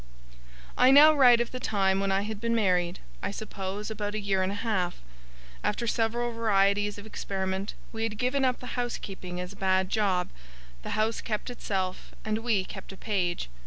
I now write of the time when I had been married, I suppose, about a year and a half. After several varieties of experiment, we had given up the housekeeping as a bad job. The house kept itself, and we kept a page.